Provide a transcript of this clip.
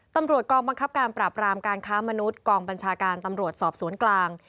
ตำรวจกองบังคับการปราบรามการค้ามนุษย์กองบัญชาการตำรวจสอบสวนกลาง